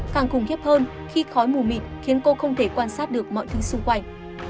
càng khủng khiếp hơn khi khói mù mịt khiến cô không thể quan sát được mọi thứ xung quanh